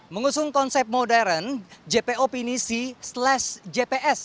mengusung konsep modern jpo pinisi slash jps